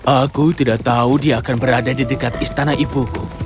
aku tidak tahu dia akan berada di dekat istana ibuku